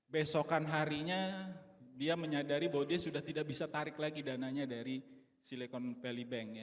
besokan harinya dia menyadari bahwa dia sudah tidak bisa tarik lagi dananya dari silicon valley bank